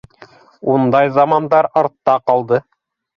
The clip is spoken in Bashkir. Ундай замандар артта ҡалды.